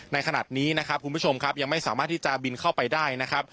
ในขณะนี้นะครับคุณผู้ชมครับยังไม่สามารถที่จะบินเข้าไปได้นะครับ